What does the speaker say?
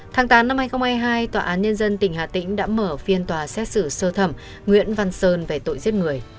tháng tám năm hai nghìn hai mươi hai tòa án nhân dân tỉnh hà tĩnh đã mở phiên tòa xét xử sơ thẩm nguyễn văn sơn về tội giết người